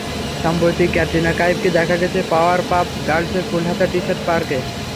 সম্প্রতি ক্যাটরিনা কাইফকে দেখা গেছে পাওয়ার পাফ গার্লসের ফুলহাতা টি-শার্ট পরে ঘুরতে।